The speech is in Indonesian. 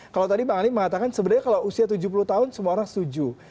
kalau tadi bang ali mengatakan sebenarnya kalau usia tujuh puluh tahun semua orang setuju